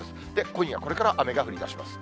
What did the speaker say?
今夜これから雨が降りだします。